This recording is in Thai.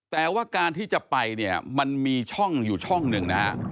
แต่ว่าการที่จะไปมีช่องอยู่ช่องหนึ่งนะครับ